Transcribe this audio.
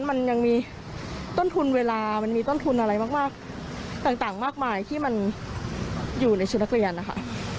มันยังมีต้นทุนเวลามันมีต้นทุนอะไรมากต่างมากมายที่มันอยู่ในชุดนักเรียนนะคะ